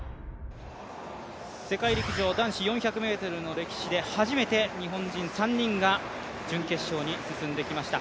世界陸上男子４００ｍの歴史で初めて日本人３人が準決勝に進んできました。